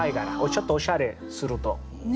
ちょっとおしゃれすると。